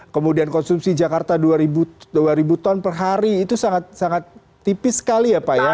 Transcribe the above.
kemudian konsumsi jakarta rp dua per hari itu sangat tipis sekali ya pak ya